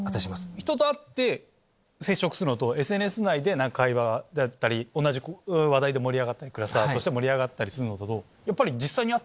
人と会って接触するのとＳＮＳ内で会話だったり同じ話題で盛り上がったり盛り上がったりするのとやっぱり。